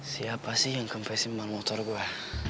siapa sih yang kemfesi emang motor gue